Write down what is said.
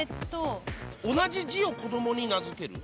「同じ字を子どもに名付ける」？